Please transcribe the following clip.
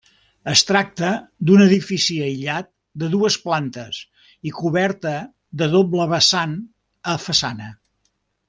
Es tracta d'un Edifici aïllat de dues plantes i coberta de doble vessant a façana.